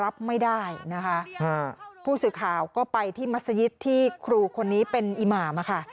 รับไม่ได้นะคะผู้สื่อข่าวก็ไปที่มัศยิตที่ครูคนนี้เป็นอิหมามาค่ะ